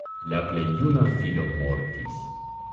Lia plej juna filo mortis.